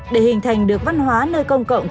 để hình thành được văn hóa nơi công cộng